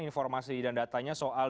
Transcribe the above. informasi dan datanya soal